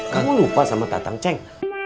kamu lupa sama tatang ceng